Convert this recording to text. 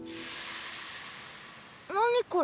何これ？